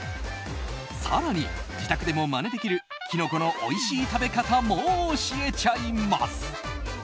更に、自宅でもまねできるキノコのおいしい食べ方も教えちゃいます。